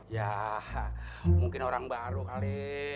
ya mungkin orang baru kali